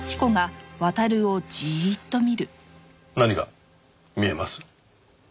何が見えます？